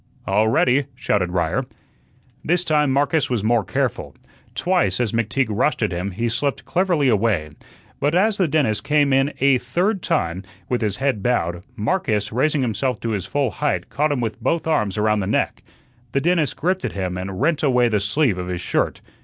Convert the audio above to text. "All ready!" shouted Ryer. This time Marcus was more careful. Twice, as McTeague rushed at him, he slipped cleverly away. But as the dentist came in a third time, with his head bowed, Marcus, raising himself to his full height, caught him with both arms around the neck. The dentist gripped at him and rent away the sleeve of his shirt.